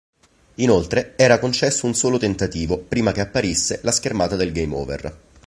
Inoltre, era concesso un solo tentativo prima che apparisse la schermata del game over.